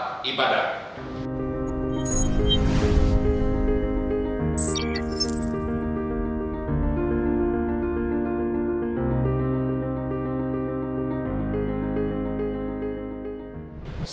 standart di pembayaran bangun bisa